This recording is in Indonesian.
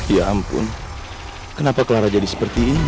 ya ampun kenapa clara jadi seperti ini